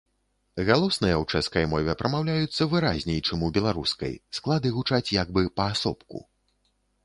Галосныя ў чэшскай мове прамаўляюцца выразней, чым у беларускай, склады гучаць як бы паасобку.